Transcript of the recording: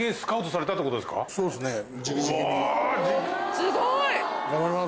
すごい！